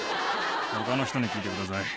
他の人に聞いてください。